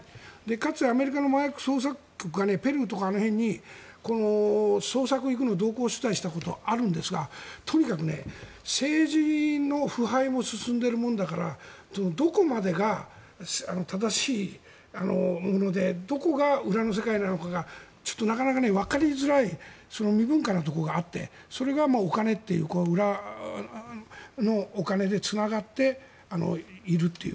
かつてアメリカの麻薬捜査局がペルーとかあの辺に捜索に行くのに同行取材をしたことがあるんですがとにかく政治の腐敗も進んでいるものだからどこまでが正しいものでどこが裏の世界なのかがなかなかわかりづらい未分化なところがあってそれがお金という裏のお金でつながっているという。